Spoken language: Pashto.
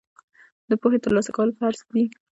د پوهې ترلاسه کول فرض دي.